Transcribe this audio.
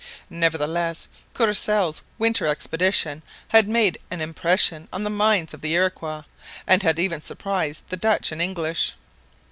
Nevertheless Courcelle's winter expedition had made an impression on the minds of the Iroquois and had even surprised the Dutch and the English.